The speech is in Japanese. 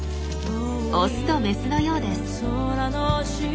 オスとメスのようです。